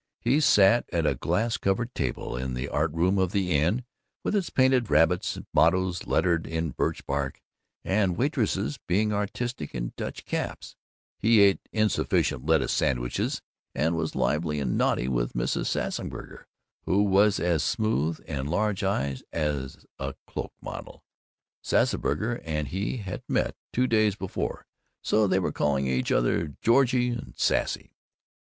He sat at a glass covered table in the Art Room of the Inn, with its painted rabbits, mottoes lettered on birch bark, and waitresses being artistic in Dutch caps; he ate insufficient lettuce sandwiches, and was lively and naughty with Mrs. Sassburger, who was as smooth and large eyed as a cloak model. Sassburger and he had met two days before, so they were calling each other "Georgie" and "Sassy."